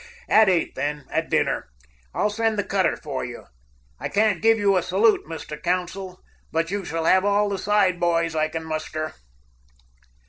At eight, then, at dinner. I'll send the cutter for you. I can't give you a salute, Mr. Consul, but you shall have all the side boys I can muster."